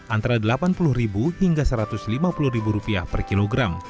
antara rp delapan puluh hingga rp satu ratus lima puluh per kilogram